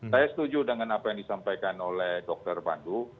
saya setuju dengan apa yang disampaikan oleh dr pandu